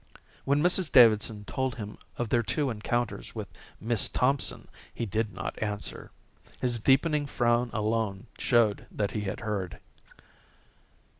When Mrs Davidson told him of their two encounters with Miss Thompson he did not answer. His deepening frown alone showed that he had heard.